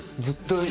ずっと。